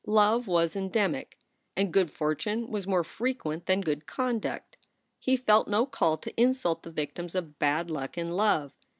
Love was endemic, and good fortune was more frequent than good conduct. He felt no call to insult the victims of bad luck in love.